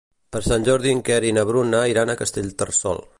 Per Sant Jordi en Quer i na Bruna iran a Castellterçol.